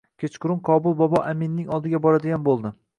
Kechqurun Qobil bobo aminning oldiga boradigan bo‘ldi